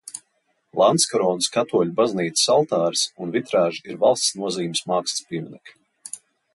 Landskoronas katoļu baznīcas altāris un vitrāža ir valsts nozīmes mākslas pieminekļi.